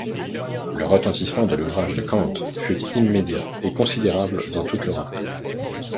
Le retentissement de l'ouvrage de Kant fut immédiat et considérable dans toute l'Europe.